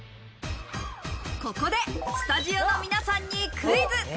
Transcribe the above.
ここでスタジオの皆さんにクイズ。